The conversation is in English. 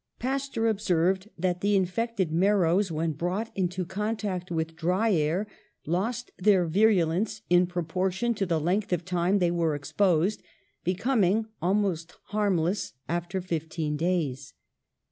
Pasteur observed that the infected marrows, when brought into contact with dry air, lost their virulence in proportion to the length of time they were exposed, becoming almost harm less after fifteen days.